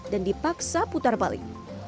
dan dipaksa putar balik